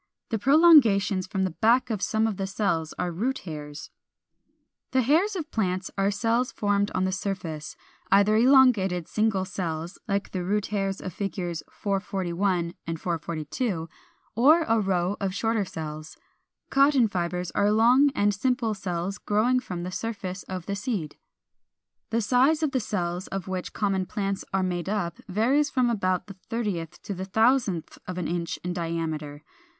The prolongations from the back of some of the cells are root hairs.] 403. The hairs of plants are cells formed on the surface; either elongated single cells (like the root hairs of Fig. 441, 442), or a row of shorter cells. Cotton fibres are long and simple cells growing from the surface of the seed. 404. The size of the cells of which common plants are made up varies from about the thirtieth to the thousandth of an inch in diameter.